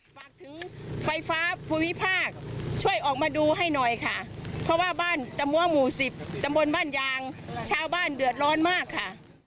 ฝากถึงไฟฟ้าภูมิภาคช่วยออกมาดูให้หน่อยค่ะเพราะว่าบ้านตะมัวหมู่สิบตำบลบ้านยางชาวบ้านเดือดร้อนมากค่ะ